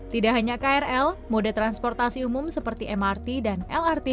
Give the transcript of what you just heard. tidak hanya krl mode transportasi umum seperti mrt dan lrt